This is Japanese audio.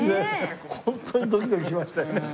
ホントにドキドキしましたよね。